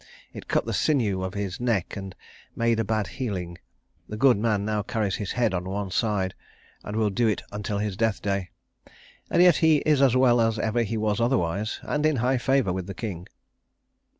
It cut the sinew of his neck, and made a bad healing. The good man now carries his head on one side, and will do it until his death day. And yet he is as well as ever he was otherwise, and in high favour with the king."